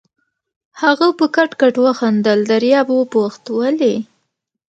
هغه په کټ کټ وخندل، دریاب وپوښت: ولې؟